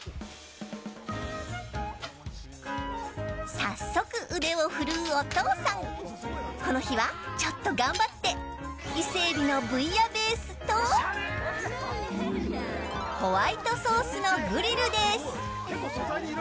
早速、腕を振るうお父さんこの日はちょっと頑張って伊勢エビのブイヤベースとホワイトソースのグリルです。